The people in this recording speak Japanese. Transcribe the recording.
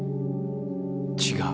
違う。